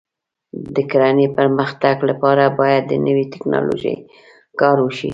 د کرنې د پرمختګ لپاره باید د نوې ټکنالوژۍ کار وشي.